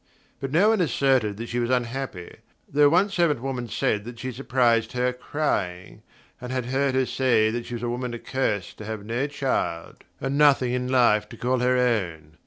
But no one asserted that she was unhappy, though one servant woman said she had surprised her crying, and had heard her say that she was a woman accursed to have no child, and nothing in life to call her own.